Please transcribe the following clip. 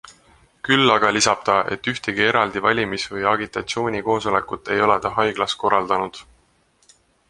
Küll aga lisab ta, et ühtegi eraldi valimis- või agitatsioonikoosolekut ei ole ta haiglas korraldanud.